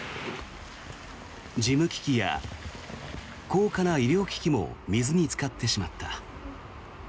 事務機器や高価な医療機器も水につかってしまった。